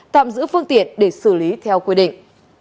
tạm giữ phương tiện để xử lý theo quy định